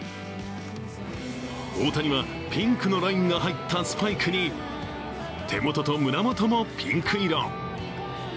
大谷はピンクのラインが入ったスパイクに手元と胸元もピンク色。